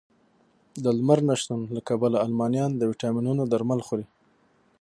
د لمر نه شتون له کبله المانیان د ویټامینونو درمل خوري